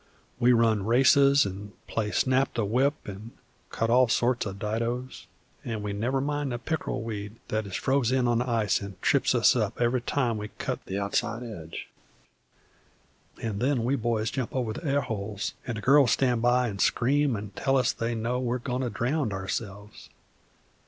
We run races an' play snap the whip, an' cut all sorts o' didoes, an' we never mind the pick'rel weed that is froze in on the ice an' trips us up every time we cut the outside edge; an' then we boys jump over the airholes, an' the girls stan' by an' scream an' tell us they know we're agoin' to drownd ourselves.